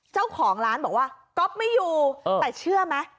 เจ้าของร้านบอกว่าก๊อฟไม่อยู่แต่เชื่อไหม